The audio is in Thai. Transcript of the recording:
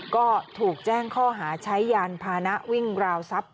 ก็ถูกแจ้งข้อหาใช้ยานพานะวิ่งราวทรัพย